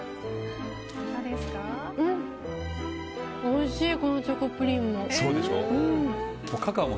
おいしい、このチョコプリンも。